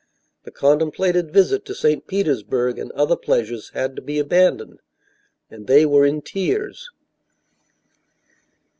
The contemplated visit to St. Petersburg and other pleasures had to be abandoned, and they were in tears.